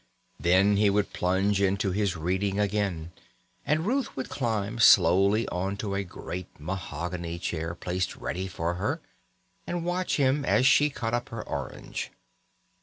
Then he would plunge into his reading again, and Ruth would climb slowly on to a great mahogany chair placed ready for her, and watch him as she cut up her orange.